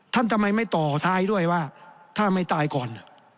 ทำไมไม่ต่อท้ายด้วยว่าถ้าไม่ตายก่อน